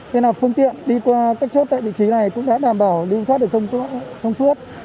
thế là phương tiện đi qua các chốt tại vị trí này cũng đã đảm bảo lưu sát được thông suốt